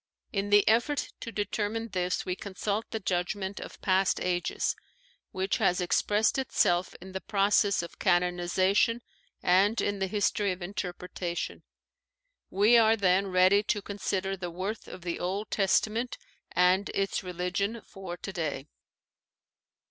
In the effort to determine this we consult the judgment of past ages, which has expressed itself in the process of canonization and in the history of interpretation. We are then ready to con sider the worth of the Old Testament and its religion for today.